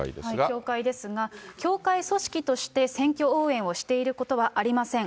教会ですが、教会組織として選挙応援をしていることはありません。